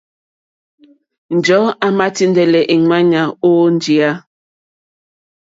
Njɔ̀ɔ́ àmà tíndɛ́lɛ́ èŋwánà ó njìyá.